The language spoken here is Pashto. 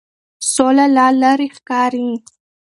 سوله لا لرې ښکاري.